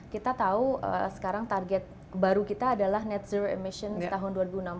kita tahu sekarang target baru kita adalah net zero emission tahun dua ribu enam belas